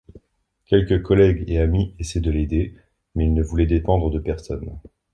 Quelques collègues et amis essayaient de l'aider, mais il ne voulait dépendre de personne.